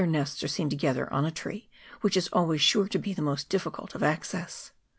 77 nests are seen together on a tree, which is always sure to be the one most difficult of access.